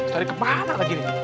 tadi kemana lagi nih